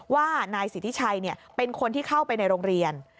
ว่านายสิทธิชัยเป็นคนที่เข้าไปในโรงเรียน